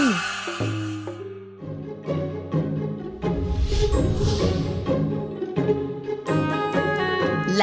และทุกคน